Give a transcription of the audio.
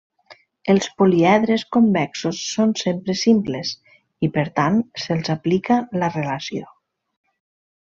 Els poliedres convexos són sempre simples, i per tant se'ls aplica la relació.